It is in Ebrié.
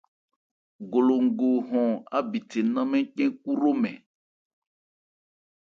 Golongo hɔn ábithe nnán mɛ́n cɛ́n-kú hromɛn.